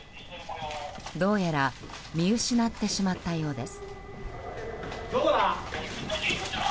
どうやら見失ってしまったようです。